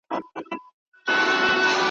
د کیږدۍ ښکلي دربدري ګرځي ,